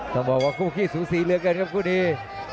ต้องบอกว่ากูพี่สูซีเลือกกันครับกูดี